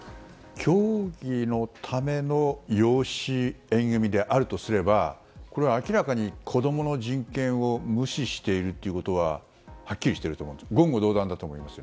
教義のための養子縁組であるとすればこれは明らかに子供の人権を無視しているということははっきりしていて言語道断だと思います。